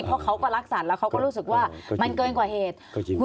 เพราะเขาก็รักสัตว์แล้วเขาก็รู้สึกว่ามันเกินกว่าเหตุ